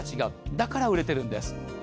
だから売れてるんです。